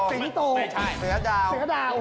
เสือดาว